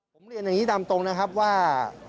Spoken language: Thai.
ผมเรียนอย่างนี้ตามตรงนะครับว่า